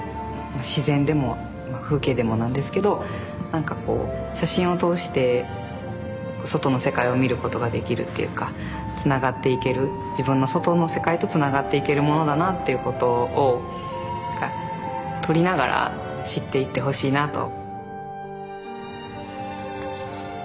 何かこう写真を通して外の世界を見ることができるっていうかつながっていける自分の外の世界とつながっていけるものだなっていうことを撮りながら知っていってほしいなと。